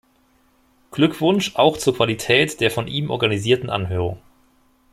Glückwunsch auch zur Qualität der von ihm organisierten Anhörung.